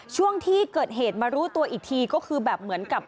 ช่วงที่เกิดเหตุมารู้ตัวอีกทีก็คือแบบเหมือนกับ